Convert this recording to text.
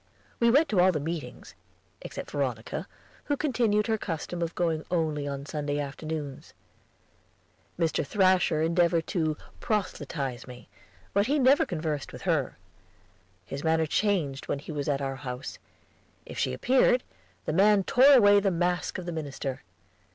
We went to all the meetings, except Veronica, who continued her custom of going only on Sunday afternoons. Mr. Thrasher endeavored to proselyte me, but he never conversed with her. His manner changed when he was at our house; if she appeared, the man tore away the mask of the minister.